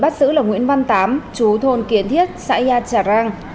bác sứ là nguyễn văn tám chú thôn kiến thiết xã yà trà rang